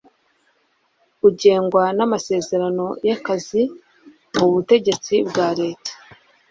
ugengwa n’amasezerano y’akazi mu butegetsi bwa leta